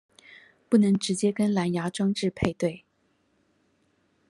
不能直接跟藍芽裝置配對